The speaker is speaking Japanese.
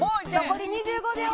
残り２５秒。